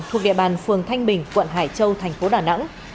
thuộc địa bàn phường thanh bình quận hải châu thành phố đà nẵng